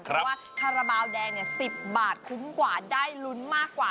เพราะว่าคาราบาลแดง๑๐บาทคุ้มกว่าได้ลุ้นมากกว่า